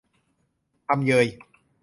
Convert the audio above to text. ทำเยย !